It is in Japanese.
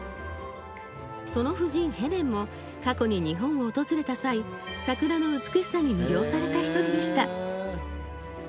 その夫人ヘレンも過去に日本を訪れた際桜の美しさに魅了された１人でした。